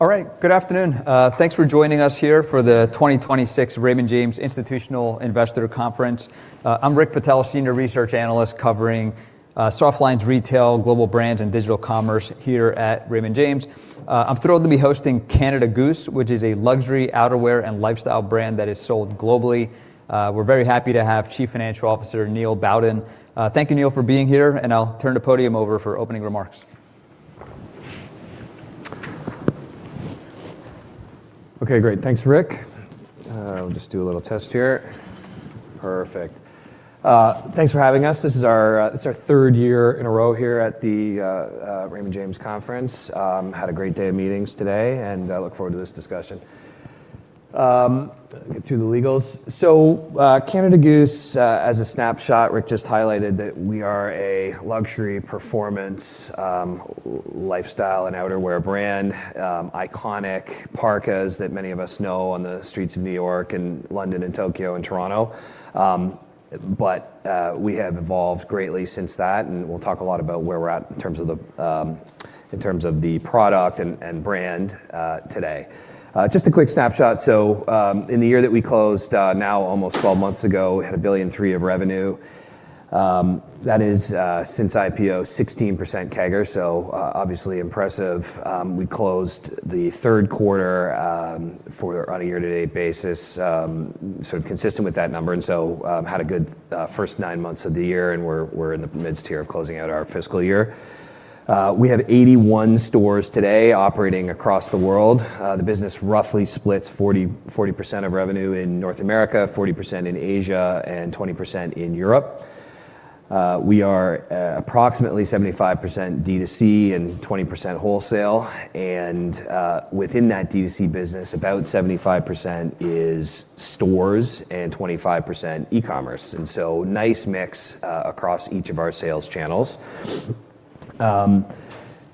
All right. Good afternoon. Thanks for joining us here for the 2026 Raymond James Institutional Investor Conference. I'm Rick Patel, Senior Research Analyst covering softlines, retail, global brands, and digital commerce here at Raymond James. I'm thrilled to be hosting Canada Goose, which is a luxury outerwear and lifestyle brand that is sold globally. We're very happy to have Chief Financial Officer Neil Bowden. Thank you, Neil, for being here, and I'll turn the podium over for opening remarks. Okay, great. Thanks, Rick. We'll just do a little test here. Perfect. Thanks for having us. This is our, this is our third year in a row here at the Raymond James Conference. Had a great day of meetings today, and I look forward to this discussion. Get through the legals. Canada Goose, as a snapshot, Rick just highlighted that we are a luxury performance, lifestyle and outerwear brand. Iconic parkas that many of us know on the streets of New York and London and Tokyo and Toronto. We have evolved greatly since that, and we'll talk a lot about where we're at in terms of the product and brand, today. Just a quick snapshot. In the year that we closed, now almost 12 months ago, had 1.3 billion of revenue. That is, since IPO, 16% CAGR, so obviously impressive. We closed the third quarter for on a year-to-date basis, sort of consistent with that number. Had a good first nine months of the year, and we're in the midst here of closing out our fiscal year. We have 81 stores today operating across the world. The business roughly splits 40% of revenue in North America, 40% in Asia, and 20% in Europe. We are approximately 75% D2C and 20% wholesale. Within that D2C business, about 75% is stores and 25% e-commerce. Nice mix across each of our sales channels.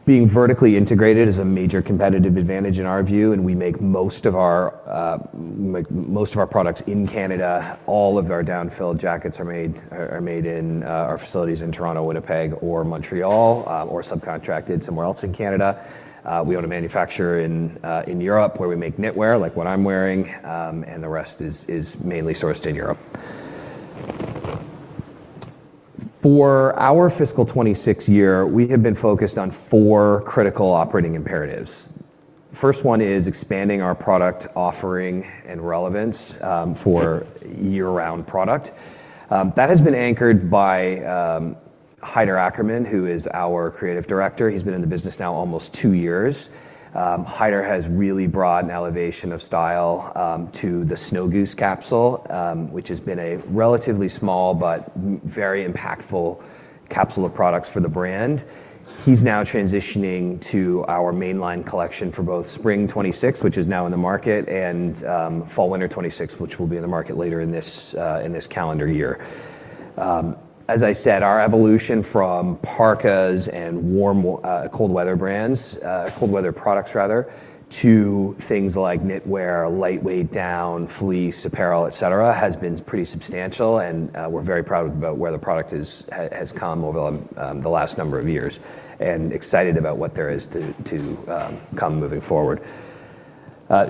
Being vertically integrated is a major competitive advantage in our view, and we make most of our products in Canada. All of our down-filled jackets are made in our facilities in Toronto, Winnipeg, or Montreal, or subcontracted somewhere else in Canada. We own a manufacturer in Europe, where we make knitwear, like what I'm wearing, and the rest is mainly sourced in Europe. For our Fiscal 2026, we have been focused on four critical operating imperatives. First one is expanding our product offering and relevance for year-round product. That has been anchored by Haider Ackermann, who is our Creative Director. He's been in the business now almost two years. Haider has really brought an elevation of style to the Snow Mantra capsule, which has been a relatively small but very impactful capsule of products for the brand. He's now transitioning to our mainline collection for both spring 2026, which is now in the market, and fall/winter 2026, which will be in the market later in this calendar year. As I said, our evolution from parkas and cold weather products rather, to things like knitwear, lightweight down, fleece apparel, et cetera, has been pretty substantial and we're very proud about where the product has come over the last number of years and excited about what there is to come moving forward.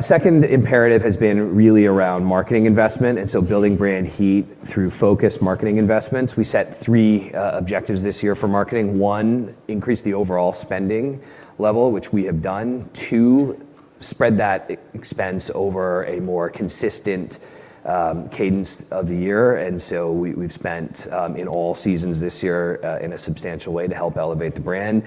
Second imperative has been really around marketing investment, building brand heat through focused marketing investments. We set three objectives this year for marketing. One, increase the overall spending level, which we have done. Two, spread that expense over a more consistent cadence of the year. We've spent in all seasons this year in a substantial way to help elevate the brand.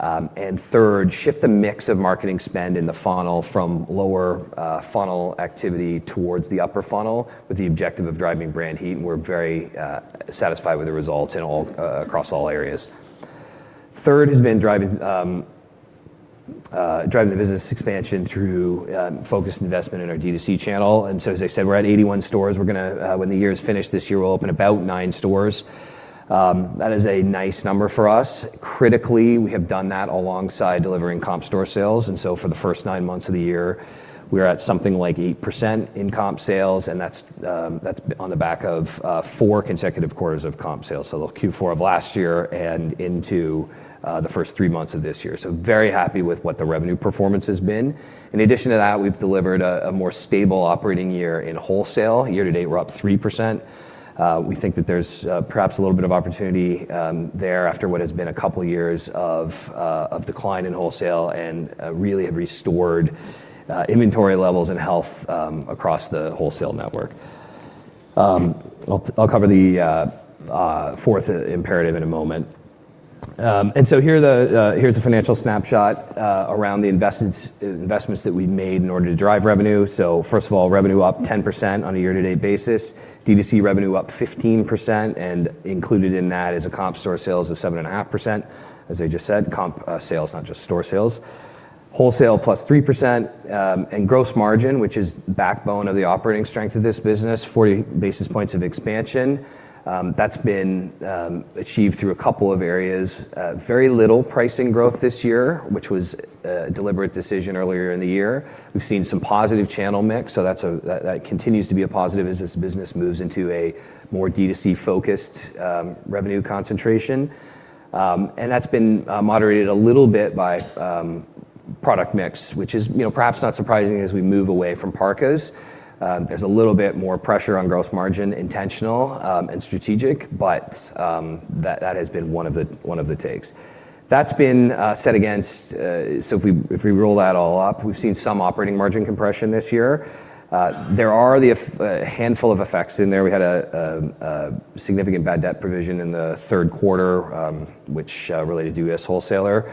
Third, shift the mix of marketing spend in the funnel from lower funnel activity towards the upper funnel with the objective of driving brand heat, and we're very satisfied with the results in all across all areas. Third has been driving the business expansion through focused investment in our D2C channel. As I said, we're at 81 stores. We're gonna when the year is finished this year, we'll open about nine stores. That is a nice number for us. Critically, we have done that alongside delivering comp store sales. For the first nine months of the year, we are at something like 8% in comp sales, and that's on the back of four consecutive quarters of comp sales. Q4 of last year and into the first three months of this year. Very happy with what the revenue performance has been. In addition to that, we've delivered a more stable operating year in wholesale. Year to date, we're up 3%. We think that there's perhaps a little bit of opportunity there after what has been a couple of years of decline in wholesale and really have restored inventory levels and health across the wholesale network. I'll cover the fourth imperative in a moment. Here are the, here's the financial snapshot around the investments that we've made in order to drive revenue. First of all, revenue up 10% on a year-to-date basis. D2C revenue up 15%, and included in that is a comp store sales of 7.5%. As I just said, comp sales, not just store sales. Wholesale plus 3%, and gross margin, which is the backbone of the operating strength of this business, 40 basis points of expansion. That's been achieved through a couple of areas. Very little pricing growth this year, which was a deliberate decision earlier in the year. We've seen some positive channel mix, so that's a, that continues to be a positive as this business moves into a more D2C-focused revenue concentration. That's been moderated a little bit by product mix, which is, you know, perhaps not surprising as we move away from parkas. There's a little bit more pressure on gross margin, intentional and strategic, but that has been one of the, one of the takes. That's been set against, so if we roll that all up, we've seen some operating margin compression this year. There are a handful of effects in there. We had a significant bad debt provision in the third quarter, which related to U.S. wholesaler.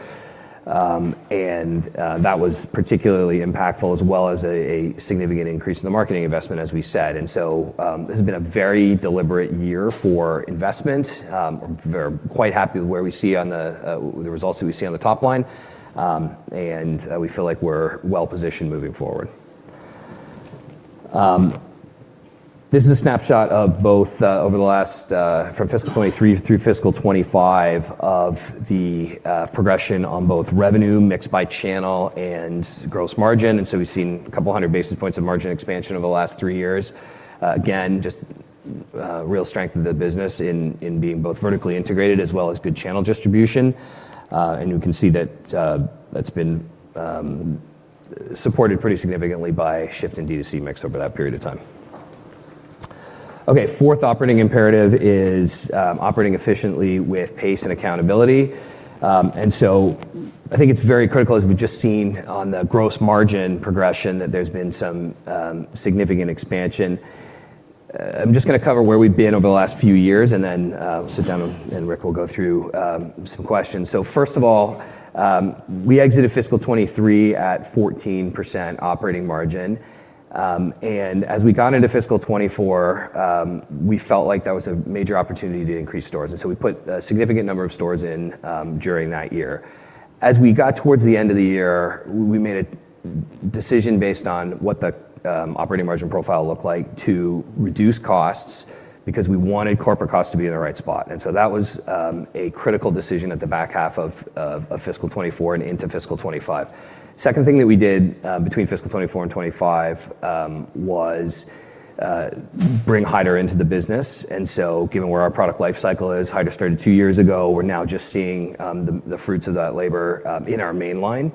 That was particularly impactful as well as a significant increase in the marketing investment, as we said. This has been a very deliberate year for investment. We're quite happy with where we see on the results that we see on the top line. We feel like we're well-positioned moving forward. This is a snapshot of both over the last from Fiscal 2023 through Fiscal 2025 of the progression on both revenue mixed by channel and gross margin. We've seen 200 basis points of margin expansion over the last three years. Again, just real strength of the business in being both vertically integrated as well as good channel distribution. You can see that that's been supported pretty significantly by shift in D2C mix over that period of time. Okay, fourth operating imperative is operating efficiently with pace and accountability. I think it's very critical, as we've just seen on the gross margin progression, that there's been some significant expansion. I'm just gonna cover where we've been over the last few years, and then we'll sit down and Rick will go through some questions. We exited fiscal 2023 at 14% operating margin. As we got into fiscal 2024, we felt like that was a major opportunity to increase stores, we put a significant number of stores in during that year. As we got towards the end of the year, we made a decision based on what the operating margin profile looked like to reduce costs because we wanted corporate costs to be in the right spot. That was a critical decision at the back half of fiscal 2024 and into fiscal 2025. Second thing that we did between fiscal 2024 and 2025 was bring Haider into the business. Given where our product life cycle is, Haider started two years ago, we're now just seeing the fruits of that labor in our main line.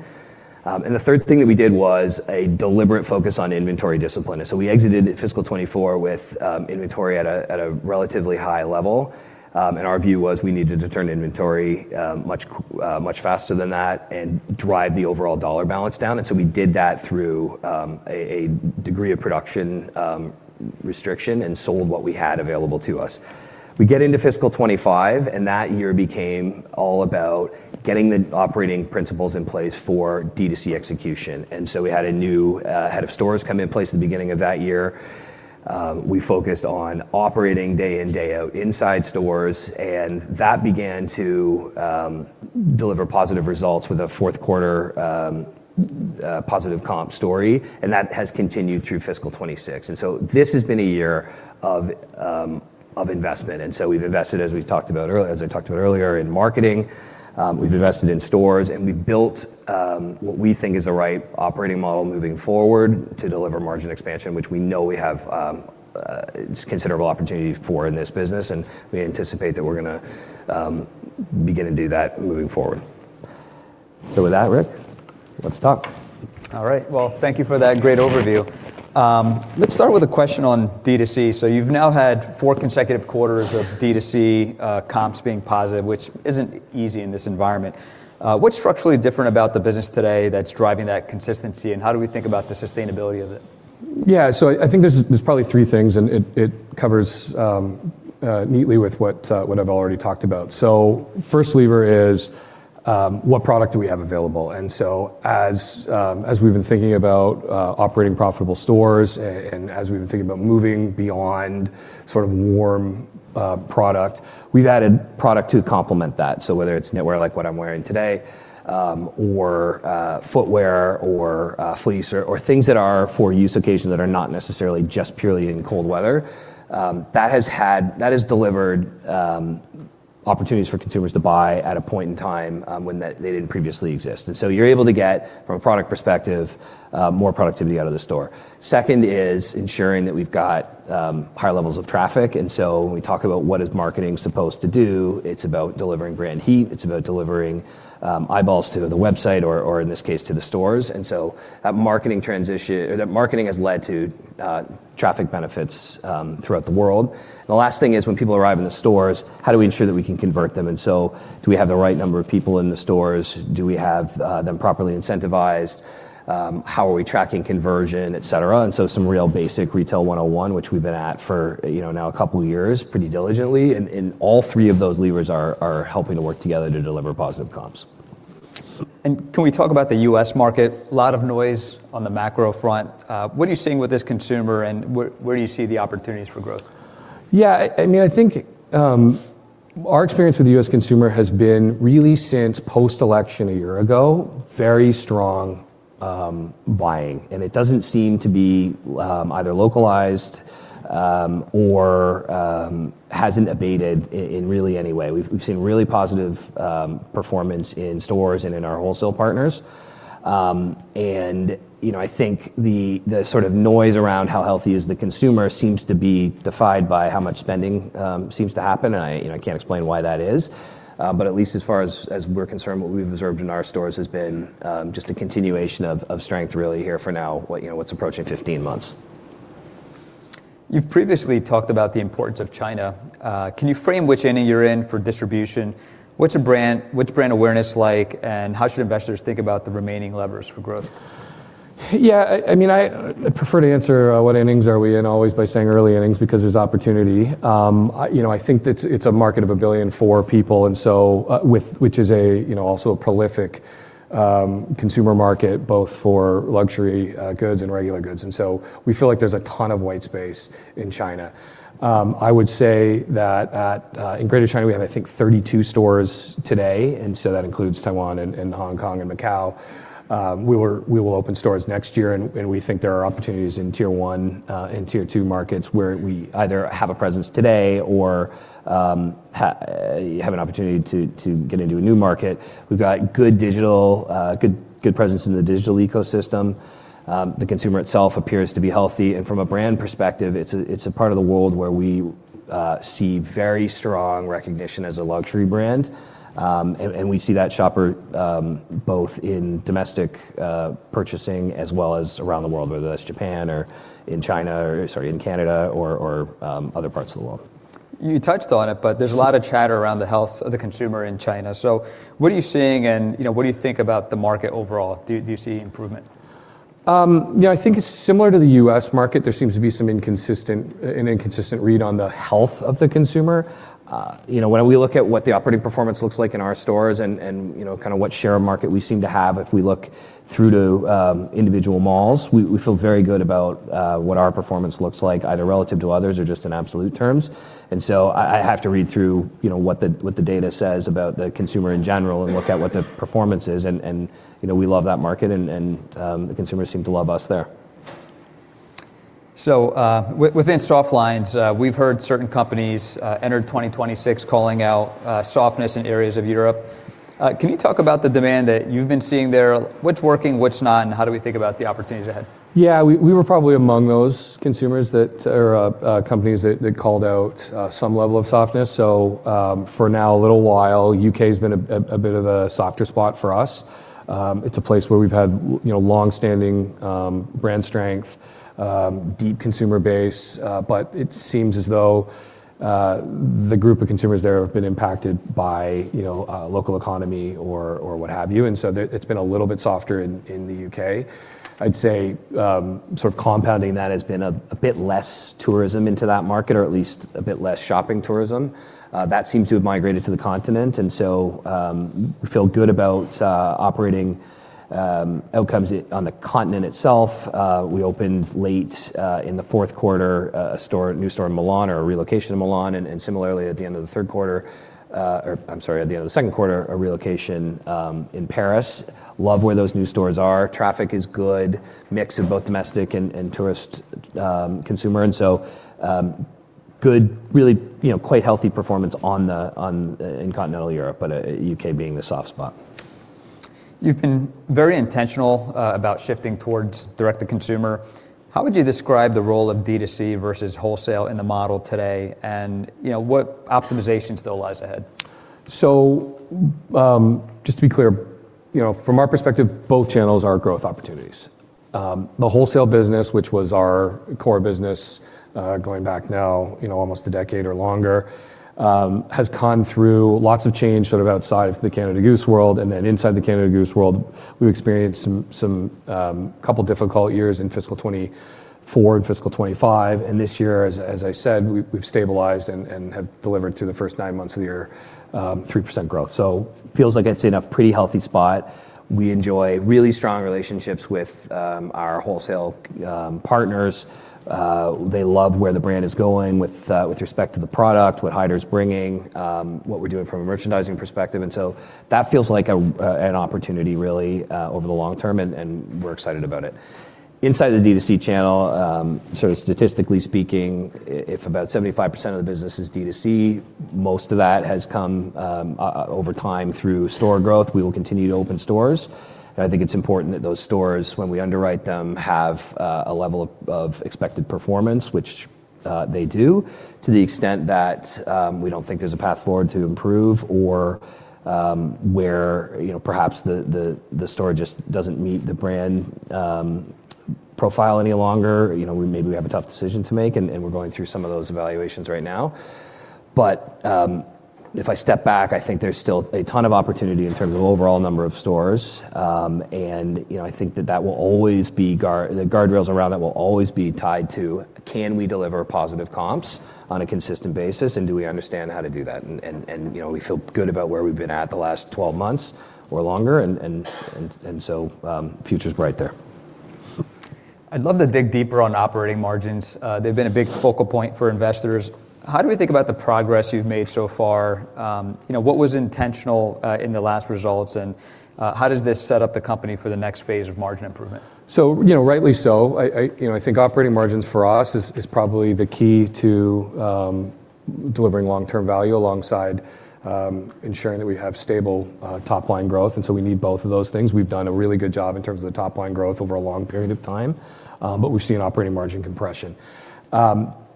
The third thing that we did was a deliberate focus on inventory discipline. We exited fiscal 2024 with inventory at a relatively high level. Our view was we needed to turn inventory much faster than that and drive the overall dollar balance down. We did that through a degree of production restriction and sold what we had available to us. We get into fiscal 2025, that year became all about getting the operating principles in place for D2C execution. We had a new head of stores come in place at the beginning of that year. We focused on operating day in, day out inside stores, and that began to deliver positive results with a fourth quarter positive comp story. That has continued through fiscal 2026. This has been a year of investment. We've invested, as I talked about earlier, in marketing, we've invested in stores, and we've built what we think is the right operating model moving forward to deliver margin expansion, which we know we have considerable opportunity for in this business, and we anticipate that we're gonna begin to do that moving forward. With that, Rick, let's talk. All right. Well, thank you for that great overview. Let's start with a question on D2C. You've now had four consecutive quarters of D2C, comps being positive, which isn't easy in this environment. What's structurally different about the business today that's driving that consistency, and how do we think about the sustainability of it? Yeah. I think there's probably three things, and it covers neatly with what I've already talked about. First lever is what product do we have available. As we've been thinking about operating profitable stores and as we've been thinking about moving beyond sort of warm product, we've added product to complement that. Whether it's knitwear, like what I'm wearing today, or footwear, or fleece or things that are for use occasions that are not necessarily just purely in cold weather, that has delivered opportunities for consumers to buy at a point in time when they didn't previously exist. You're able to get, from a product perspective, more productivity out of the store. Second is ensuring that we've got high levels of traffic. When we talk about what is marketing supposed to do, it's about delivering brand heat, it's about delivering eyeballs to the website or in this case, to the stores. That marketing has led to traffic benefits throughout the world. The last thing is when people arrive in the stores, how do we ensure that we can convert them? Do we have the right number of people in the stores? Do we have them properly incentivized? How are we tracking conversion, et cetera? Some real basic retail 101, which we've been at for, you know, now a couple of years, pretty diligently. All three of those levers are helping to work together to deliver positive comps. Can we talk about the U.S. market? A lot of noise on the macro front. What are you seeing with this consumer, and where do you see the opportunities for growth? Yeah. I mean, I think, our experience with the U.S. consumer has been really since post-election a year ago, very strong buying. It doesn't seem to be either localized or hasn't abated in really any way. We've seen really positive performance in stores and in our wholesale partners. You know, I think the sort of noise around how healthy is the consumer seems to be defied by how much spending seems to happen. I, you know, I can't explain why that is. But at least as far as we're concerned, what we've observed in our stores has been just a continuation of strength really here for now, what, you know, what's approaching 15 months. You've previously talked about the importance of China. Can you frame which inning you're in for distribution? What's brand awareness like, and how should investors think about the remaining levers for growth? Yeah. I mean, I prefer to answer what innings are we in always by saying early innings because there's opportunity. I, you know, I think that it's a market of a billion for people which is a, you know, also a prolific consumer market, both for luxury goods and regular goods. We feel like there's a ton of white space in China. I would say that in Greater China, we have, I think, 32 stores today, that includes Taiwan and Hong Kong, and Macau. We will open stores next year, and we think there are opportunities in tier one and tier two markets where we either have a presence today or you have an opportunity to get into a new market. We've got good digital, good presence in the digital ecosystem. The consumer itself appears to be healthy. From a brand perspective, it's a part of the world where we see very strong recognition as a luxury brand. We see that shopper both in domestic purchasing as well as around the world, whether that's Japan or in China, or sorry, in Canada or other parts of the world. You touched on it, but there's a lot of chatter around the health of the consumer in China. What are you seeing and, you know, what do you think about the market overall? Do you see improvement? Yeah, I think it's similar to the U.S. market. There seems to be an inconsistent read on the health of the consumer. You know, when we look at what the operating performance looks like in our stores and, you know, kinda what share of market we seem to have, if we look through to individual malls, we feel very good about what our performance looks like, either relative to others or just in absolute terms. I have to read through, you know, what the, what the data says about the consumer in general and look at what the performance is. You know, we love that market and, the consumers seem to love us there. within softlines, we've heard certain companies entered 2026 calling out softness in areas of Europe. Can you talk about the demand that you've been seeing there? What's working, what's not, and how do we think about the opportunities ahead? We were probably among those consumers or companies that called out some level of softness. For now, a little while, U.K.'s been a bit of a softer spot for us. It's a place where we've had, you know, long-standing brand strength, deep consumer base, but it seems as though the group of consumers there have been impacted by, you know, local economy or what have you. It's been a little bit softer in the U.K. I'd say, sort of compounding that has been a bit less tourism into that market, or at least a bit less shopping tourism. That seems to have migrated to the continent. We feel good about operating outcomes on the continent itself. We opened late in the fourth quarter, a new store in Milan or a relocation in Milan, and similarly, at the end of the third quarter, or I'm sorry, at the end of the second quarter, a relocation in Paris. Love where those new stores are. Traffic is good, mix of both domestic and tourist consumer, and so, good, really, you know, quite healthy performance in continental Europe, but U.K. being the soft spot. You've been very intentional about shifting towards direct-to-consumer. How would you describe the role of D2C versus wholesale in the model today? You know, what optimization still lies ahead? Just to be clear, you know, from our perspective, both channels are growth opportunities. The wholesale business, which was our core business, going back now, you know, almost a decade or longer, has gone through lots of change sort of outside of the Canada Goose world, and then inside the Canada Goose world, we've experienced some couple difficult years in Fiscal 2024 and Fiscal 2025. This year, as I said, we've stabilized and have delivered through the first nine months of the year, 3% growth. Feels like it's in a pretty healthy spot. We enjoy really strong relationships with our wholesale partners. They love where the brand is going with respect to the product, what Haider's bringing, what we're doing from a merchandising perspective. That feels like an opportunity really, over the long term, and we're excited about it. Inside the D2C channel, sort of statistically speaking, if about 75% of the business is D2C, most of that has come over time through store growth. We will continue to open stores. I think it's important that those stores, when we underwrite them, have a level of expected performance, which they do, to the extent that we don't think there's a path forward to improve or, where, you know, perhaps the store just doesn't meet the brand profile any longer. You know, we maybe we have a tough decision to make, and we're going through some of those evaluations right now. If I step back, I think there's still a ton of opportunity in terms of overall number of stores. You know, I think that that will always be the guardrails around that will always be tied to, can we deliver positive comps on a consistent basis, and do we understand how to do that? You know, we feel good about where we've been at the last 12 months or longer and so, future's bright there. I'd love to dig deeper on operating margins. They've been a big focal point for investors. How do we think about the progress you've made so far? You know, what was intentional in the last results, how does this set up the company for the next phase of margin improvement? You know, rightly so, I, you know, I think operating margins for us is probably the key to delivering long-term value alongside ensuring that we have stable top-line growth. We need both of those things. We've done a really good job in terms of the top-line growth over a long period of time, but we've seen operating margin compression.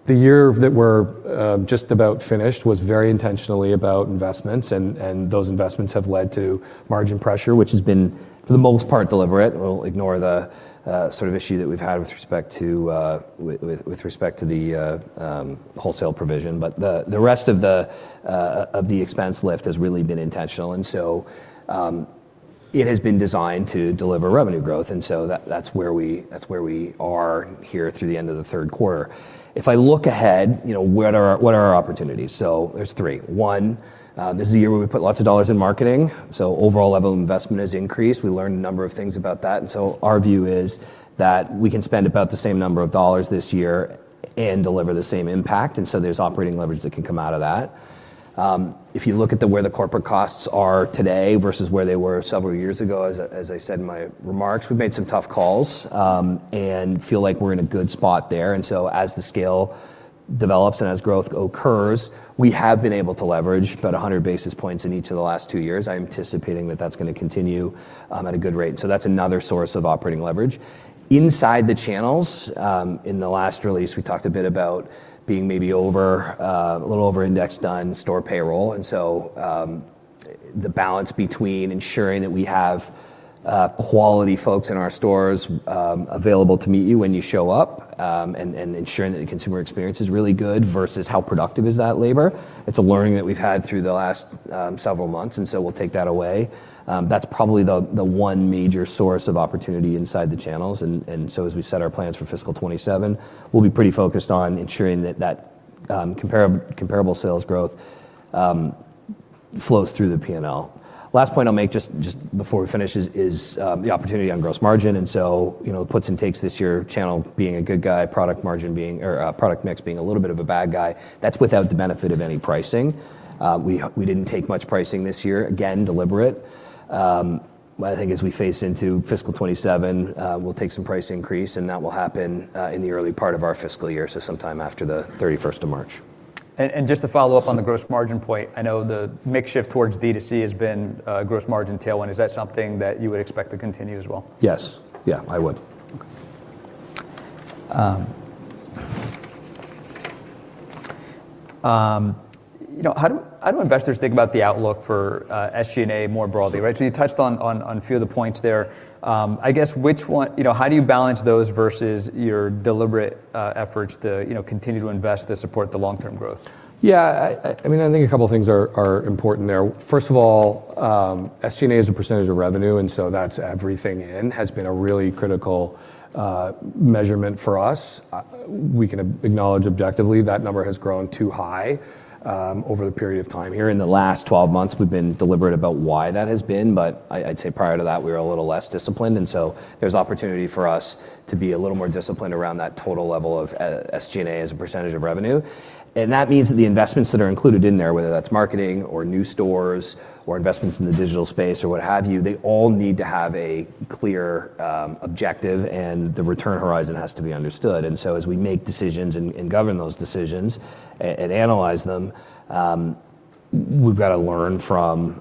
The year that we're just about finished was very intentionally about investments, and those investments have led to margin pressure, which has been, for the most part, deliberate. We'll ignore the sort of issue that we've had with respect to the wholesale provision. The rest of the expense lift has really been intentional. It has been designed to deliver revenue growth, that's where we are here through the end of the third quarter. If I look ahead, you know, what are our opportunities? There's three. One, this is a year where we put lots of dollars in marketing, overall level of investment has increased. We learned a number of things about that, our view is that we can spend about the same number of dollars this year and deliver the same impact, there's operating leverage that can come out of that. If you look at where the corporate costs are today versus where they were several years ago, as I said in my remarks, we've made some tough calls, and feel like we're in a good spot there. As the scale develops and as growth occurs, we have been able to leverage about 100 basis points in each of the last two years. I'm anticipating that that's gonna continue at a good rate. That's another source of operating leverage. Inside the channels, in the last release, we talked a bit about being maybe over a little over-indexed on store payroll. The balance between ensuring that we have quality folks in our stores available to meet you when you show up, and ensuring that the consumer experience is really good versus how productive is that labor. It's a learning that we've had through the last several months, and so we'll take that away. That's probably the one major source of opportunity inside the channels. As we set our plans for Fiscal 2027, we'll be pretty focused on ensuring that that comparable sales growth flows through the P&L. Last point I'll make just before we finish is the opportunity on gross margin. You know, puts and takes this year, channel being a good guy, product mix being a little bit of a bad guy. That's without the benefit of any pricing. We didn't take much pricing this year, again, deliberate. I think as we face into Fiscal 2027, we'll take some price increase, and that will happen in the early part of our fiscal year, so sometime after the 31st of March. Just to follow up on the gross margin point, I know the mix shift towards D2C has been a gross margin tailwind. Is that something that you would expect to continue as well? Yes. Yeah, I would. Okay. you know, how do investors think about the outlook for SG&A more broadly, right? You touched on a few of the points there. You know, how do you balance those versus your deliberate efforts to, you know, continue to invest to support the long-term growth? I mean, I think a couple things are important there. First of all, SG&A as a % of revenue, and so that's everything in, has been a really critical measurement for us. We can acknowledge objectively that number has grown too high over the period of time here. In the last 12 months, we've been deliberate about why that has been, but I'd say prior to that, we were a little less disciplined, and so there's opportunity for us to be a little more disciplined around that total level of SG&A as a percentage of revenue. That means that the investments that are included in there, whether that's marketing or new stores or investments in the digital space or what have you, they all need to have a clear objective, and the return horizon has to be understood. As we make decisions and govern those decisions and analyze them, we've gotta learn from,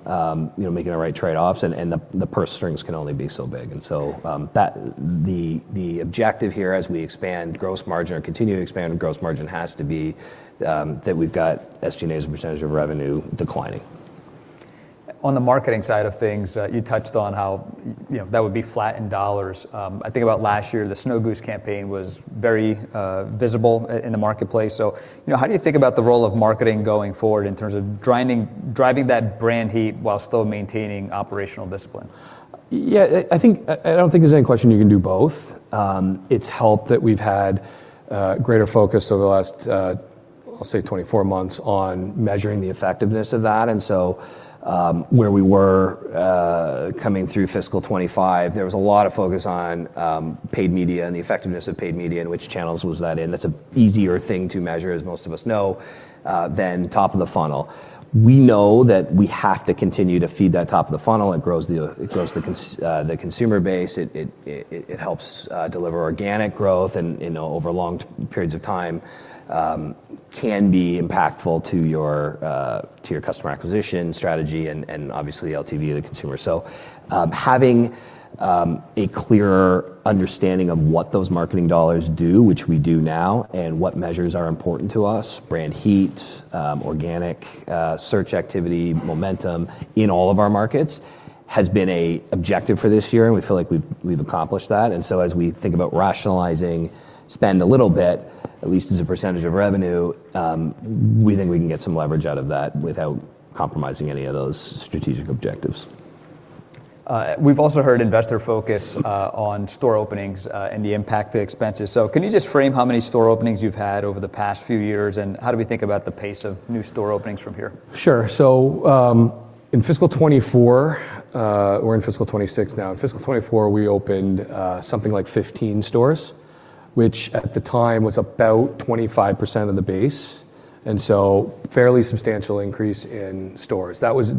you know, making the right trade-offs and the purse strings can only be so big. The objective here as we expand gross margin or continue to expand gross margin has to be that we've got SG&A as a percentage of revenue declining. On the marketing side of things, you touched on how, you know, that would be flat in CAD. I think about last year, the Snow Goose campaign was very visible in the marketplace. You know, how do you think about the role of marketing going forward in terms of driving that brand heat while still maintaining operational discipline? I don't think there's any question you can do both. It's helped that we've had greater focus over the last I'll say 24 months on measuring the effectiveness of that. Where we were coming through Fiscal 2025, there was a lot of focus on paid media and the effectiveness of paid media and which channels was that in. That's an easier thing to measure, as most of us know, than top of the funnel. We know that we have to continue to feed that top of the funnel. It grows the consumer base. It helps deliver organic growth and, you know, over long periods of time, can be impactful to your customer acquisition strategy and obviously LTV of the consumer. Having a clearer understanding of what those marketing dollars do, which we do now, and what measures are important to us, brand heat, organic search activity, momentum in all of our markets, has been a objective for this year, and we feel like we've accomplished that. As we think about rationalizing spend a little bit, at least as a percentage of revenue, we think we can get some leverage out of that without compromising any of those strategic objectives. We've also heard investor focus, on store openings, and the impact to expenses. Can you just frame how many store openings you've had over the past few years, and how do we think about the pace of new store openings from here? Sure. In Fiscal 2024, we're in Fiscal 2026 now. In Fiscal 2024, we opened something like 15 stores, which at the time was about 25% of the base, fairly substantial increase in stores. That was,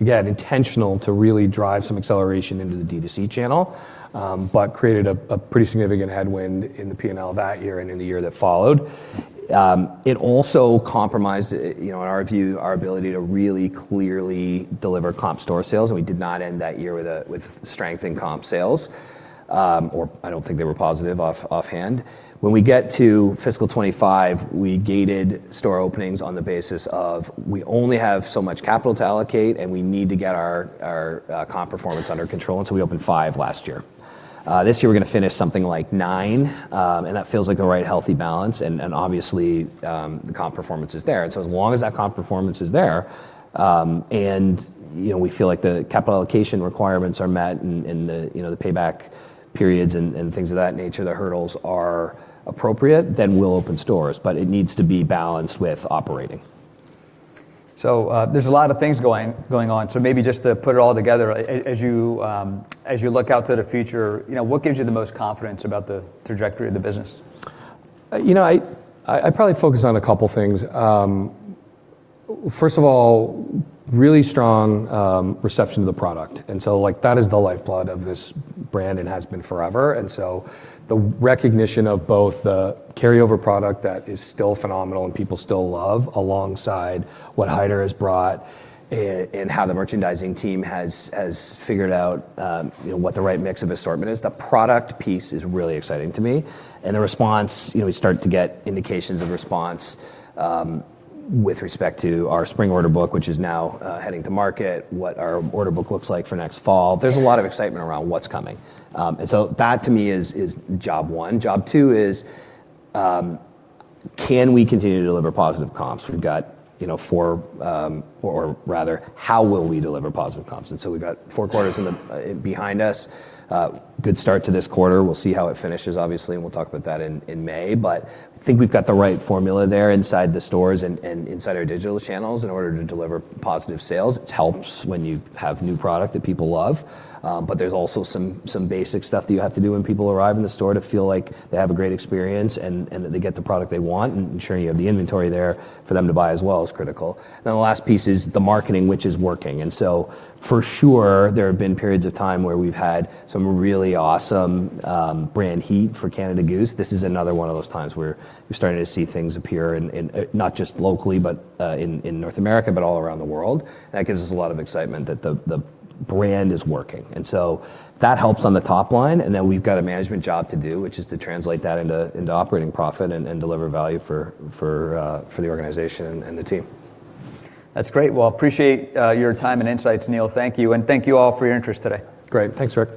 again, intentional to really drive some acceleration into the D2C channel, but created a pretty significant headwind in the P&L that year and in the year that followed. It also compromised, you know, in our view, our ability to really clearly deliver comp store sales, and we did not end that year with strength in comp sales, or I don't think they were positive offhand. When we get to Fiscal 2025, we gated store openings on the basis of we only have so much capital to allocate, and we need to get our comp performance under control. We opened five last year. This year we're gonna finish something like nine, and that feels like the right healthy balance and obviously, the comp performance is there. As long as that comp performance is there, and, you know, we feel like the capital allocation requirements are met and the, you know, the payback periods and things of that nature, the hurdles are appropriate, then we'll open stores, but it needs to be balanced with operating. There's a lot of things going on. Maybe just to put it all together, as you, as you look out to the future, you know, what gives you the most confidence about the trajectory of the business? You know, I'd probably focus on a couple things. First of all, really strong reception to the product. Like, that is the lifeblood of this brand and has been forever. The recognition of both the carryover product that is still phenomenal and people still love alongside what Haider has brought and how the merchandising team has figured out, you know, what the right mix of assortment is. The product piece is really exciting to me, and the response, you know, we start to get indications of response with respect to our spring order book, which is now heading to market, what our order book looks like for next fall. There's a lot of excitement around what's coming. That to me is job one. Job two is, can we continue to deliver positive comps? We've got, you know, four, or rather how will we deliver positive comps? We've got four quarters in the behind us. Good start to this quarter. We'll see how it finishes obviously, and we'll talk about that in May. I think we've got the right formula there inside the stores and inside our digital channels in order to deliver positive sales. It helps when you have new product that people love. But there's also some basic stuff that you have to do when people arrive in the store to feel like they have a great experience and that they get the product they want, and ensuring you have the inventory there for them to buy as well is critical. The last piece is the marketing, which is working. For sure there have been periods of time where we've had some really awesome brand heat for Canada Goose. This is another one of those times where we're starting to see things appear in, not just locally, but in North America, but all around the world, that gives us a lot of excitement that the brand is working. That helps on the top line. Then we've got a management job to do, which is to translate that into operating profit and deliver value for the organization and the team. That's great. Well, appreciate your time and insights, Neil. Thank you. Thank you all for your interest today. Great. Thanks, Rick.